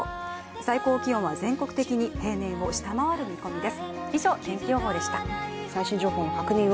最高気温は全国的に平年を下回る見込みです。